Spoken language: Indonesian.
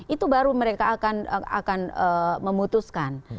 itu baru mereka akan memutuskan